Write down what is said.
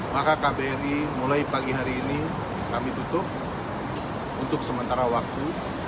maka kbri mulai pagi hari ini kami tutup untuk sementara waktu